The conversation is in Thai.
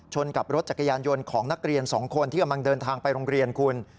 กับรถจักรยานยนต์ของนักเรียนสองคนที่กำลังเดินทางไปโรงเรียนคุณ